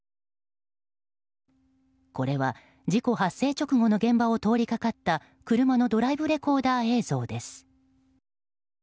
これは事故発生直後の現場を通りかかった車のドライブレコーダー映像です。